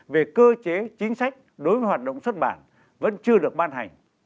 về cơ chế chính sách đối với hoạt động xuất bản vẫn chưa được ban hành